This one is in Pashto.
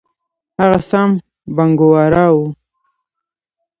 هغه سام بنګورا وو.